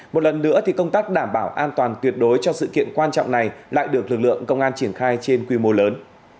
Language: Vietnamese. một lần nữa thì công tác đảm bảo an toàn tuyệt đối cho sự kiện quan trọng này lại được lực lượng công an triển khai trên quy mô lớn